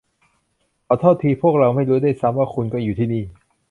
ขอโทษที พวกเราไม่รู้ด้วยซ้ำว่าคุณก็อยู่ที่นี่